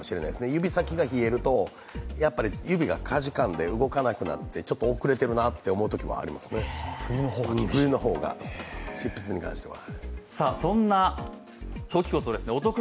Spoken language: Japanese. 指先が冷えると、指がかじかんで動かなくなって、遅れているなという感じがしますね、冬の方が、執筆に関しては。